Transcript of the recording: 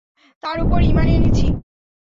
তার উপর ঈমান এনেছি।